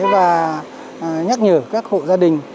và nhắc nhở các hộ gia đình